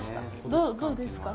どうですか？